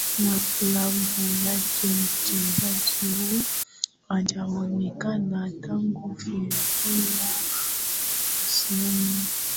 na klabu yake mchezaji huyo hajaonekana tangu februari ishirini